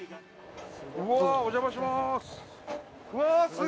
お邪魔します。